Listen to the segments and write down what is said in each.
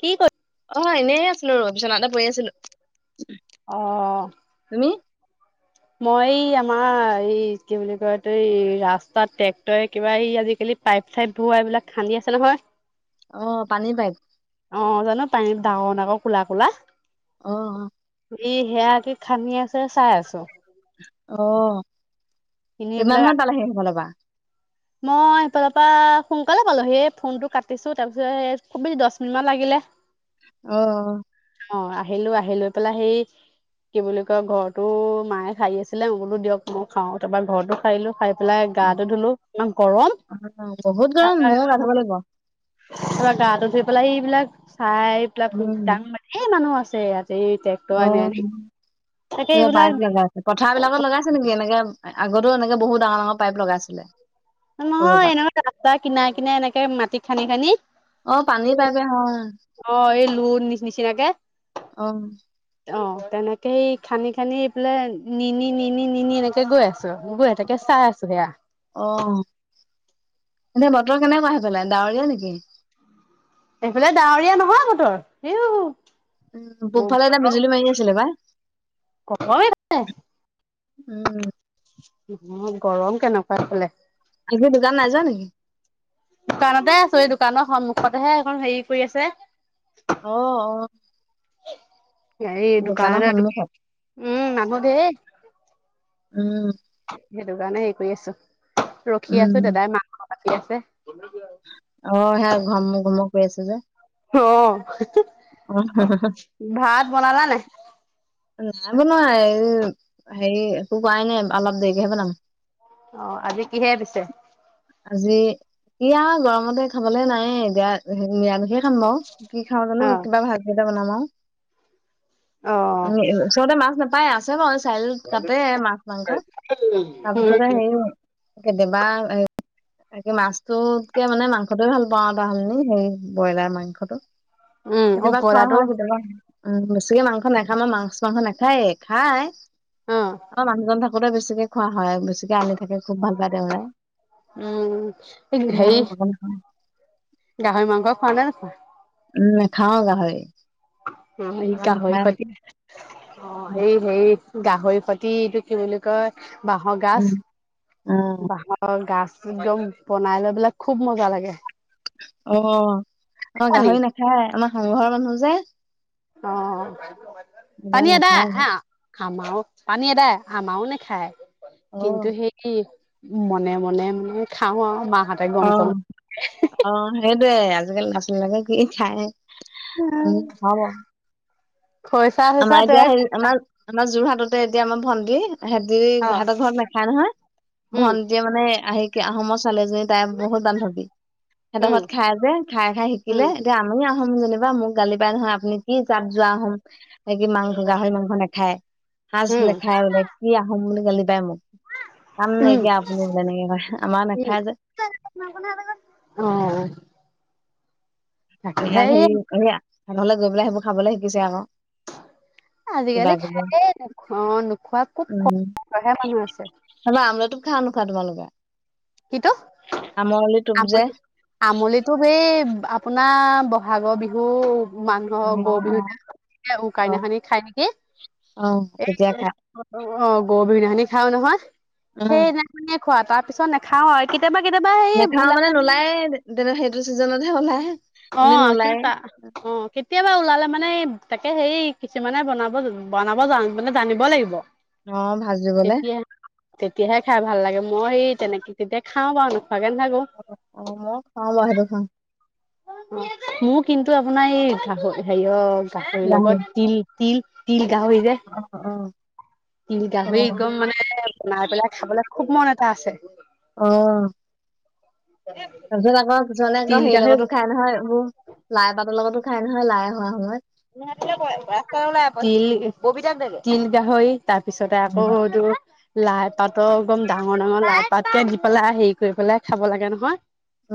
কি কৰি অ এনেই আছিলো ৰ পিছত তাতে পঢ়ি আছিলো। অ', তুমি? মই এই আমাৰ এই কি বুলি কয় তই ৰাস্তাত ট্ৰেক্টৰে কিবা এই আজিকালি পাইপ -চাইপ ধোৱা এইবিলাক খান্দি আছে নহয়। অ পানীৰ বাইক। অ জানো পানীত ডাঙৰ -ডাঙৰ কোলা- কোলা। অহ অ। ই সেয়া কি খান্দি আছে চাই আছ। অ, এনে কিমান মত এইবিলাক পালেহি সেইফালৰপৰা? মই সেফালৰ পৰা সোনকালে পালোহি, সেই ফোনটো কাটিছো তাৰপিছত এ খুবেই দশ মিনিট মান লাগিলে। আহ আহ অ আহিলো আহি লৈ পেলাই সেই কি বুলি কয় ঘৰতো মায়ে সাই আছিলে মবোতো দিয়ক মই হাও তাৰপৰা ঘৰতো হাৰিলো সাই পেলাই গাটো ধুলো ইমান অ বহুত গৰম ময়ো গা ধুব লাগিব [unintelligible] গাতো ধুই পেলাই এইবিলাক চাই পিলাকু উম ডাঙ মানে ধেই মানুহ আছে ইয়াত সেই টেক্টৰ অ আনি আনি তাকে এইবিলাক পাইপ লগাইছে পথাৰ বিলাকত লগাইছে নেকি এনেকে আগতেও এনেক বহু ডাঙৰ ডাঙৰ পাইপ লগাইছিলে। নহয় কৰবাত এনেকুৱা ৰাস্তা কিনা কিনা এনেকে মাটি খান্দি খান্দি। অ পানী পাইপে অ অ এই লোৰ নি নিচিনাকে। অ অ তেনেকেই খান্দি খান্দি এইফালে নি নি নি নি নি নি এনেকে গৈ আছে। মোক এতাকে চাই আছো সেয়াই। এনেই বতৰ কেনেকুৱা আহি পেলাই ডাৱৰীয়া নেকি। এইফালে ডাৱৰীয়া নহয় বতৰ ইও। উম পূব ফালে এতিয়া বিজুলী মাৰি আছিলে বা। গৰমে উম। অ গৰম কেনেকুৱা এফালে। আজি দোকান নাই যোৱা নেকি দোকানতে আছো এই দোকানৰ। সন্মুখতেহে এখন হেৰি কৰি আছে। অহ অহ। এ দোকান উম মানুহ ধেই। উম। সেইটো কাৰণে হেৰি কৰি আছো ৰখি উম আছো দাদাই মাংসই কাটি আছে। অ সে ঘম ঘুমক কৰি আছো যে। অ অ ভাত বনালা নাই নাই বনোৱাই এই হেৰি একো কোৱাই নাই অলপ দেৰিকেহে বনাম। অ আজি কিহে পিছে। আজি কি আৰু গৰমতে খাবলে নাই এতিয়া নিৰামিষে। খাম বও কি খাওঁ জানো অ' কিবা ভাত দুইটা বনামা আও। অ', উম ওচৰতে মাছ নাপায় আছে বাওঁ চাৰিআলিত কাটে মাছ মাংস তাৰ পিছতে উম হেৰি কেতিয়াবা। [unintelligible] তাকে মাছটোতকে মানে মাংসটোয়ে ভাল পাওঁ আৰু তাহল সেই ব্ৰইলাৰ মাংসটো। উম অ' কেতিয়াবা বৰাটো খোৱা কেতিয়াবা। উম বেছিকে মাংস নাখাম ন মাংস মাংস নাখায় খাই অ মানুহজন থাকো। আগতে বেছিকে খোৱা হয় বেছিকে আনি থাকে খুব ভাল পায় তেওঁৰাই। উম এনে সেই আমি বৰকে নাখাওঁ। গাহৰি মাংস খোৱা নে নোখোৱা। উম খাওঁ গাহৰি। আমাৰ গাহৰি নেখায় সোৱাদ কেনে [unintelligible] অ এই সেই গাহৰি সতি এইটো কি বুলি কয় বাঁহৰ গাজ উম অ বাঁহৰ গাজ। একদম বনাই লৈ পেলায় খুব মজা লাগে। অ আমাৰ পানী গাহৰি নাখায় আমাৰ হাংঘৰ মানুহ যে। অ। এংগাৰ [unintelligible] খানায় ন খাম আও পানী এদায়, আমাৰও নেখায় অ কিন্তু সেই। মনে মনে মানে খাওঁ আৰু মা। অ অ সেইটোয়ে আজিকালি ল'ৰা ছোৱালী বিলাকে কি খাই। উম হ'ব। খৰিচা চইচা আমাৰ এতিয়া তই হেৰি আমাৰ আমাৰ যোৰহাট। তে এতিয়া আমাৰ ভন্টি হেতি অ ঘৰ ঘৰত নাখায় নহয় উম ভন্টিয়ে মানে আহি। কি আহোম ছোৱালীজনী তাই বহুত বান্ধৱী হেতৰ উম ঘৰত খাই যে খাই খাই উম শিকিলে এতিয়া আমি আহোম যেন মোক গালি পাই নহয় আপুনি কি যাত যোৱা আহম স কি মাংস গাহৰি মাংস নাখায় সাজ উম নাখায়। বোলে কি আহোম বুলি গালি পায় মোক। কাম নাই উম কিয়া নে আমাৰ উম নেখাই যে। অ। তাকে মানে ইয়াত সেই হেৰি এইয়া ধানলৈ গৈ পেলাই সেইবোৰ খাবলৈ শিকিছে আকৌ। কিবা আজিকালি কিবি খাইয়ে নোখোৱা অ নোখোৱা খুব উম কমহে মানুহ আছে। তাৰপা আমলৰি টোপ খোৱা নোখাৱা তোমালোকে? কিটো আমৰলি টোপ যে আমল আমলিটো এই আপোনাৰ ব ভাগৰ বিহু মানহৰ গৰু বিহু এ অ উৰুকাদিনাখনি খাই নেকি অ এ তেতিয়া খাই অ গৰু বিহুনাখিনি খাও নহয়। উম সেইদিনাখনিয়ে খোৱা তাৰ পিছত নাখাও আউ। নেখাও মানে নোলায়ে তেনে সেইটো ছিজনতহে ওলাই। অ এনে কিন্ত নোলায়ে তা অ কেতিয়াবা ওলালে মানে তাকে সেই কিছুমানে বনাব বনাব জা মানে জানিব লাগিব অ ভাজিবলে তেতিয়াহে তেতিয়াহে খাই ভাল লাগে মই সেই তেনেকে তেতিয়া খাও বাও অ অ মও খাওঁ মই সেটো খাওঁ। মোৰ কিন্তু আপোনাৰ এই গাহৰি হেৰিয় গাহৰি লগত তিল তিল তিল গাহৰি যে অ তিল অ অ গাহৰি এগম মানে বনাই পেলাই খাবলে খুব মন এটা আছে। আহ [unintelligible] তাৰপিছত আকৌ কিছুমানে আকৌ তিল হেৰি গাহৰি লগতো খাই নহয় এইবোৰ লাই পাতৰ লগতো খাই নহয় লাই অহা সময়ত ৰাস্তা ওলাই পবিতাক দেগে তিল গাহৰি তাৰপিছতে আকৌ উম তো লাই পাত এগম ডাঙৰ ডাঙৰ লাই পাত কে দি পেলাই হেৰি কৰি পেলাই খাব লাগে নহয়।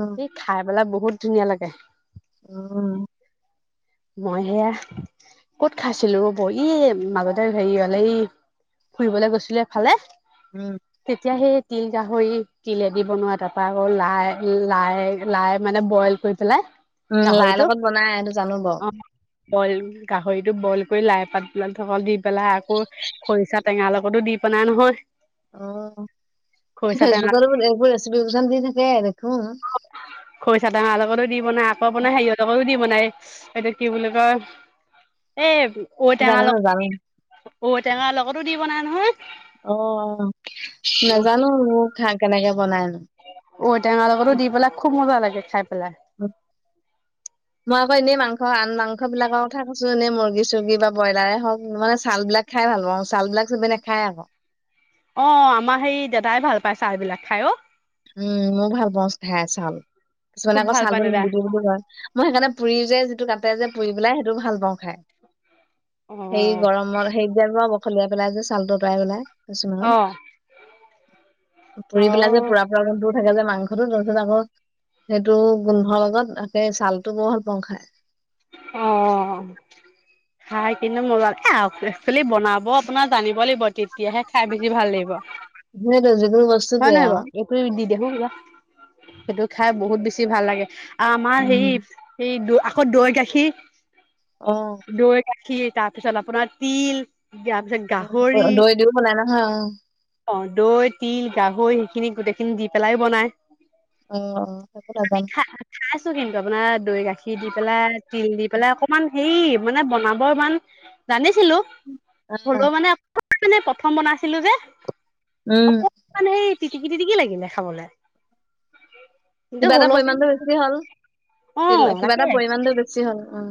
উম খাই পেলাই বহুত ধুনীয়া লাগে। উম মই হেয়া কত খাইছিলো বহ মাক দোৰ হেৰি হলে এই ফুৰিবলে গৈছিলে এফালে উম তেতিয়া সেই তিল গাহই তিল এদি বনোৱা তাৰপৰা আকৌ লাই লাই লাই মানে বইল কৰি পেলাই উম লাই গাহৰিটো লগত বনাই এইটো জানো বাউ। অ বইল গাহৰিতো বইল কৰি লাই পাত পিলকল দি পেলাই আকৌ খৰিচা টেঙাৰ লগতো দি তিপনাই নহয় আহ এই খৰিচা টেঙা ফেচবুক এইবোৰ এবো ৰেচিপি কিজান দি থাকে দেখুং চাদাহাঁহ লগটো দি বনাই আকৌ বনাই হেইহঁতকো দি বনাই সেইটো কি বুলি কয় এ জান নেজানুং অঔটেঙাৰ লগতো দি বনাই নহয়। অ অ নাজানুং মো খা কেনেকে বনাই? ঔটেঙা লগতো দি পেলাই খুব মজা লাগে খাই। পেলাই মই আকৌ এনেই মাংস আন মাংস বিলাকৰ কথা কছো এনে মুৰ্গী চুৰ্গী বা ব্ৰইলাৰে হওক মানে ছালবিলাক খাই ভাল পাওঁ ছাল বিলাক চবেই নাখায় আক অ আমাৰ সেই দাদাই ভাল পায় চালবিলাক খাই অ উম মৌ ভাল পাওঁ খাই চাল কিছুমানে খুব আকৌ ভাল চালটো পায় দাদাই নিদিবি বুলি কয় মই সেইকাৰণে পুৰি যে যিটো কাটে যে পুৰি পেলাই সেইটোও ভাল পাওঁ খাই অ সেই গৰমত সেই যে বখলিয়াই পেলাই যে ছালটো অতৰাই পেলাই কিছুমান অ অ ফুৰি পেলাই যে পুৰা পুৰা গুণটো থাকে যে মা সটো তাৰপিছত আকৌ সেইটো গোন্ধৰ লগত তাকে ছালটো বৰ ভাল পাও খায় অ খাই কিন্তু মোৰ আ একচেলি বনাব আপোনাৰ জানিব লাগিব তেতিয়াহে খাই বেছি ভাল লাগিব সেইটো যুত হয় নহয় বাৰু এইটো দি দিয়া হম লোৱা, সেইটো খাই বহুত বেছি ভাল লাগে। আমাৰ হে উম সেই দ আকৌ দৈ গাখীৰ অ দৈ গা খি তাৰপিছত আপোনাৰ তিল তাৰ পিছত গাহৰি, দৈ দিও বনাই নহয় অ দৈ তিল সেইখিনি গোটেইখিনি দি পেলাই বনাই অ সেইবোৰ আমি নাজানো খা খাইছো কিন্তু আপোনাৰ দৈ গাখীৰ দি পেলাই তিল দি পেলাই অকনমান হেৰি মানে বনাব ইমান জানিছিলো, অ হলেও মানে ইপিনে প্ৰথম বনাইছিলো যে। উম এই তিটিকি তিটিকি লাগিলে খাবলৈ। কিবা এটা পৰিমানটো বেছি হল অ তিল কিবা তাকে এটা পৰিমমানণটো বেছি হল উ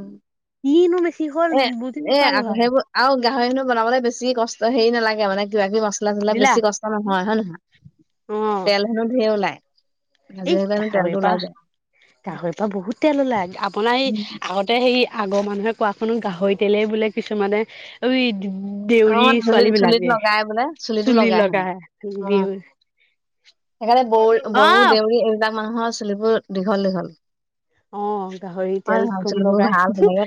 কিনো বেছি হ'ল এ বুজি এ নাপালো আ সেইবোৰ আৰু গাহৰি কিন্তু বনাবলে বেছি কষ্ট হেৰি নালাগে মানে কিবা কিবি ম মচলা চচলা দিলা বেছি কষ্ট নহয় হয় নে নহয়। অ তেল হেনো ধেৰ ওলায়। এই গাহৰিৰ পৰা গাহৰিৰ পৰা বহুত তেল ওলাই আপোনাৰ এই আগতে সেই আগৰ মানুহে কোৱা শুনো গাহৰি তেলেই বোলে কিছুমানে অ দেউৰী চুলিত ছোৱালী চুলিত বিলাকে লগাই বোলে চুলিটো চুলিত হেনো লগাই অ দেউৰ সেইকাৰণে ব বড়ো দেউৰী এইবিলাক মানুহৰ চুলিবোৰ দীঘল দীঘল অ গাহৰি হয় তেল নহয় কম চুলিবোৰ লগাই ভাল তেনেকে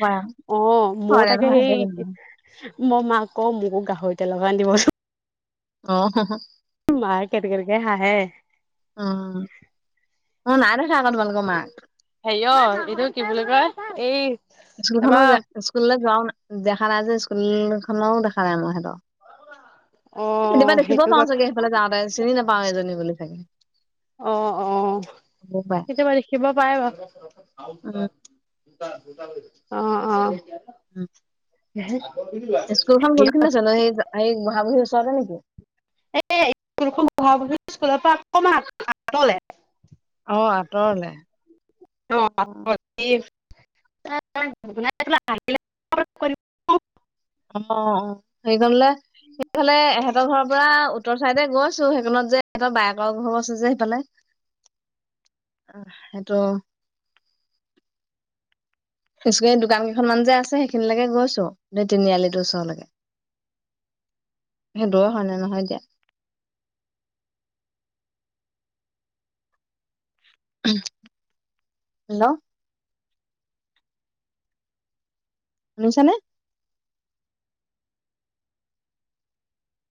অ কয় মোৰ আৰু তাকে হয় নে নহয় সেইটো জানো? সেই মই মাক ক মোকো গাহৰি তেল অকন আন দিব চোন অহ মাই কেতকেতকে হাঁহে অ, মই নাই দেখা আকৌ তোমালোকৰ মাক হেৰিয় এইটো কি বুলি কয় এই স্কুলখনো তাৰপা যা স্কুললৈ যাওঁ নাই। দেখা নাই যে স্কুল খনৰো দেখা নাই মই সিহঁতৰ অ কেতিয়াবা দেখিবও সেইটো পাওঁ কথা চাগে সেইফালে যাওঁতে চিনি নাপাওঁ এজনী বুলি চাগে। অ অ বুবাই কেতিয়াবা দেখিব পাই বাও উম অ অ হম উহু স্কুলখন কোনখিনিত আছিলনো সেই এই বহাগ বিহুৰ ওচৰতে নেকি এ স্কুলৰ পৰা অকণমান আতলে অহ আঁতৰলে। অহ [unintelligible] অ অ হেৰিখনলে সেইফালে এহতৰ ঘৰৰ পৰা উত্তৰ চাইডে গৈছো সত যে স বায়েকৰ ঘৰ আছে যে সেইফালে অহ সেইটো ওচতে দোকান কেইখনমান যে আছে সেইখিনিলৈকে গৈছো, এই তিনিআলিটোৰ ওচৰলৈকে। সেইদৰে হয় নে নহয় এতিয়া হেল্ল' শুনিছানে?